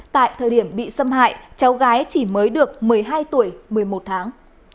tại thời điểm bị xâm hại cháu gái chỉ mới được một mươi hai tuổi một mươi một tháng